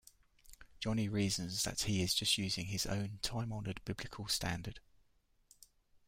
Johnny reasons that he is just using his own "time-honored Biblical standard".